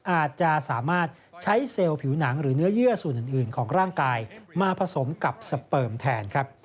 อาจจะสามารถใช้เซลล์ผิวหนังหรือเนื้อเยื่อส่วนอื่นของร่างกายมาผสมกับสเปิมแทนครับ